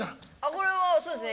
これはそうですね